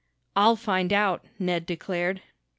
"I'll find out," Ned declared.